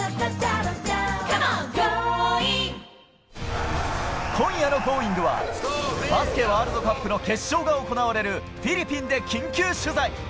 わかるぞ今夜の『Ｇｏｉｎｇ！』は、バスケワールドカップの決勝が行われるフィリピンで緊急取材。